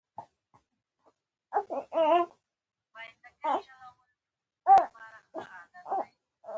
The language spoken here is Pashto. د زده کړو د پراختیا لپاره ځوانان پروګرامونه جوړوي.